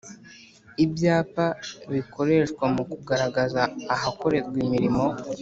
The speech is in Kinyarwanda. Ibyapa bikoreshwa mu kugaragaza ahakorerwa imirimo